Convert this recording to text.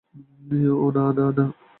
ওহ, না, না, না, না।